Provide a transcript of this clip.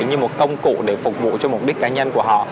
như một công cụ để phục vụ cho mục đích cá nhân của họ